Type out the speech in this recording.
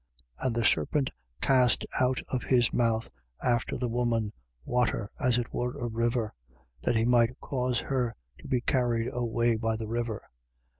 12:15. And the serpent cast out of his mouth, after the woman, water, as it were a river: that he might cause her to be carried away by the river.